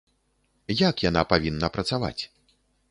Як яна павінна працаваць?